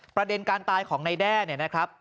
ประเด็นการตายของนายแด้เนี่ยนะครับ